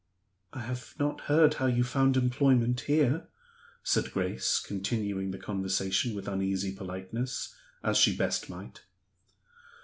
"I have not heard how you found employment here," said Grace, continuing the conversation with uneasy politeness, as she best might.